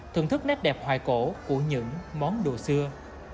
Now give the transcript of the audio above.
thưởng thức nét đẹp hoài cổ của những món đồ xưa